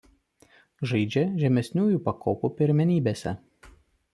Žaidžia žemesniųjų pakopų pirmenybėse.